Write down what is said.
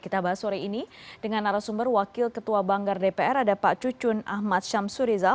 kita bahas sore ini dengan arah sumber wakil ketua banggar dpr ada pak cucun ahmad syamsurizal